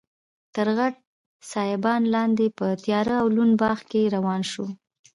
تر غټ سایبان لاندې په تیاره او لوند باغ کې روان شوو.